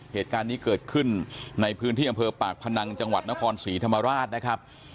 เหตุการณ์นี้เกิดขึ้นในพื้นที่อำเภอปากพนังจังหวัดนครศรีธรรมราชนะครับ